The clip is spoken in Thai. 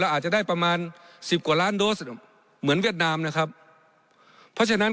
อาจจะได้ประมาณสิบกว่าล้านโดสเหมือนเวียดนามนะครับเพราะฉะนั้น